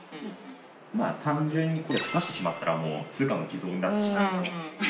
単純にこれ溶かしてしまったらもう通貨の偽造になってしまうので。